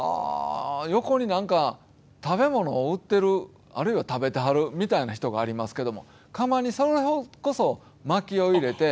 横に何か食べ物を売ってるあるいは食べてはるみたいな人がありますけどもかまにそれこそまきを入れて。